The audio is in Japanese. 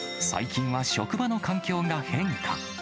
最近は職場の環境が変化。